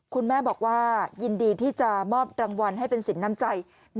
คุณแม่บอกว่ายินดีที่จะมอบรางวัลให้เป็นสินน้ำใจ